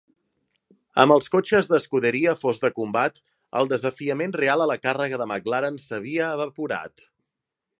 Amb els cotxes de Scuderia fos de combat, el desafiament real a la càrrega de McLaren s'havia evaporat.